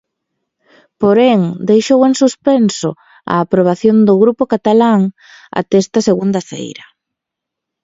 Porén, deixou en suspenso a aprobación do grupo catalán até esta segunda feira.